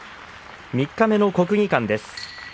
三日目の国技館です。